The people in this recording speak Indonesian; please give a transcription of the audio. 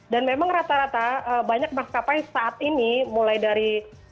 dan memang rata rata banyak maskapai saat ini mulai dari